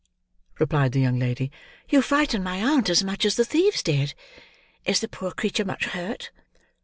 replied the young lady; "you frighten my aunt as much as the thieves did. Is the poor creature much hurt?"